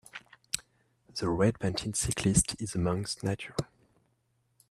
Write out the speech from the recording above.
The red panted cyclist is amongst nature